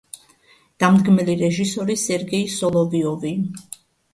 დამდგმელი რეჟისორი სერგეი სოლოვიოვი.